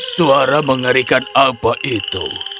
suara mengerikan apa itu